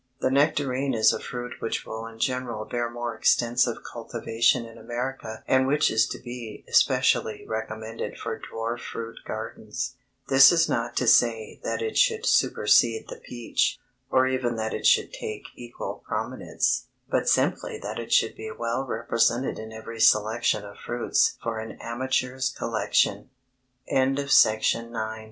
The nectarine is a fruit which will in general bear more extensive cultivation in America and which is to be especially recommended for dwarf fruit gardens. This is not to say that it should supersede the peach, or even that it should take equal prominence, but simply that it should be well represented in every selection of f